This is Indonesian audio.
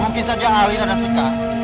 mungkin saja alina dan sika